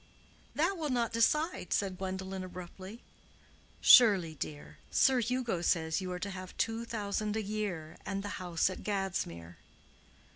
"That will not decide," said Gwendolen, abruptly. "Surely, dear: Sir Hugo says you are to have two thousand a year and the house at Gadsmere."